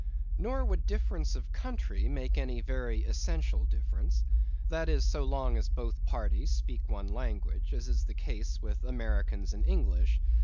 Nor would difference of country make any very essential difference; that is, so long as both parties speak one language, as is the case with Americans and English.